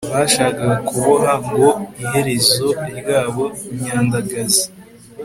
bashakaga kuboha ngo iherezo ryabo nyandagazi! ..